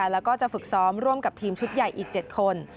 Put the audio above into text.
แล้วก็จะฝึกซ้อมร่วมกับทีมชุดใหญ่อีก๗คน